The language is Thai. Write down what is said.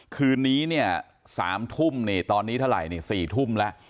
คืนนี้เนี่ย๓ทุ่มนี่ตอนนี้เท่าไหร่นี่๔ทุ่มแล้ว